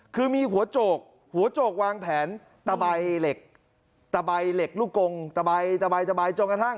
คือมีหัวโจกหัวโจกวางแผนตะใบเหล็กตะใบเหล็กลูกกงตะใบตะใบตะใบจนกระทั่ง